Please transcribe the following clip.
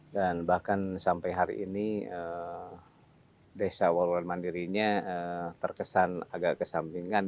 dan bahkan sampai hari ini desa waruran mandirinya terkesan agak kesampingan